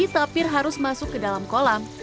tapir harus masuk ke dalam kolam